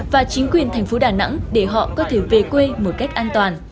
và chính quyền thành phố đà nẵng để họ có thể về quê một cách an toàn